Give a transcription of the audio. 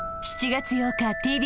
７月８日